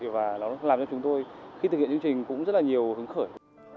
và nó làm cho chúng tôi khi thực hiện chương trình cũng rất là nhiều hứng khởi